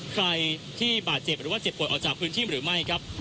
ใครที่บาดเจ็บหรือว่าเจ็บป่วยออกจากพื้นที่หรือไม่ครับ